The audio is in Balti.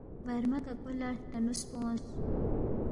برمہ ککو لہ ہلٹنوس پو اونگس